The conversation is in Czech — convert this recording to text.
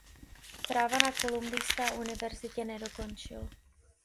Práva na Kolumbijská univerzitě nedokončil.